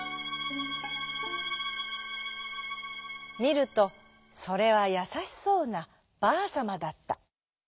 みるとそれはやさしそうなばあさまだった。